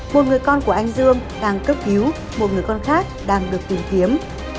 một người con của anh dương đang cấp cứu một người con khác đang được tìm kiếm